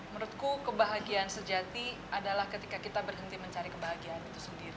menurutku kebahagiaan sejati adalah ketika kita berhenti mencari kebahagiaan itu sendiri